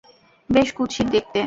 বেশ কুৎসিত দেখতে।